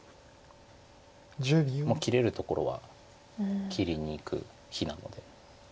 もう切れるところは切りにいく日なので。